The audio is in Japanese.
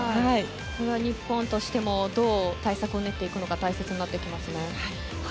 それは日本としてもどう対策を練っていくのか大切になってきますね。